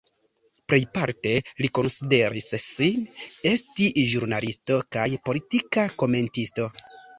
Plejparte li konsideris sin esti ĵurnalisto kaj politika komentisto.